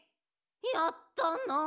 ・やったなあ！